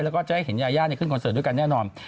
แล้วก็จะให้เห็นยายาขึ้นคอนเสิร์ตด้วยกันแน่นอน